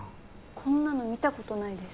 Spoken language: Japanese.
こんなの見た事ないです。